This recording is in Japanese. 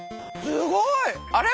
すごい！あれ？